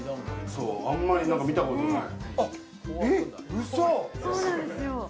あんまり見たことない。